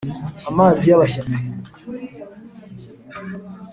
amazi y’abashyitsi